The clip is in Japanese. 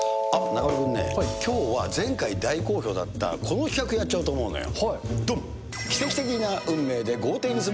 中丸君ね、きょうは前回大好評だったこの企画やっちゃおうと思うのよ。